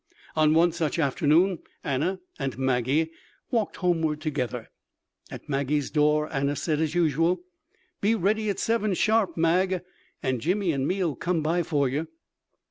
On one such afternoon Anna and Maggie walked homeward together. At Maggie's door Anna said, as usual: "Be ready at seven, sharp, Mag; and Jimmy and me'll come by for you."